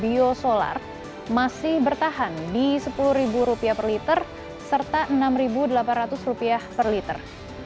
biosolar masih bertahan di rp sepuluh per liter serta rp enam delapan ratus per liter